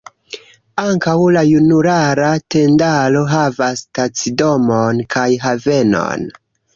Ankaŭ la junulara tendaro havas stacidomon kaj havenon.